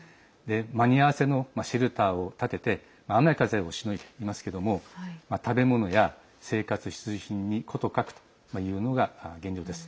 間に合わせのシェルターを建てて雨風をしのいでいますけども食べ物や生活必需品に事欠くというのが現状です。